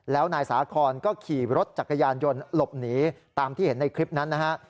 แล้วนายสาคอนก็ขี่รถจักรยานยนต์หลบหนีตามที่เห็นในคลิปนั้นนะฮะ